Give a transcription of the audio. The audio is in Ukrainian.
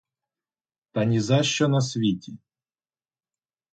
Та нізащо на світі.